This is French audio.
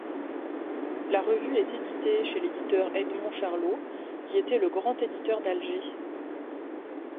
La revue est éditée par l'éditeur Edmond Charlot, qui était le grand éditeur d'Alger.